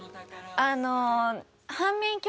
あの。